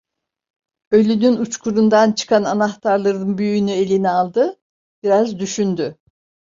Ölünün uçkurundan çıkan anahtarların büyüğünü eline aldı, biraz düşündü…